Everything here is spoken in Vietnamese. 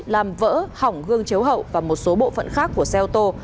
làm vỡ hỏng gương chếu hậu và một số bộ phận khác của xe ô tô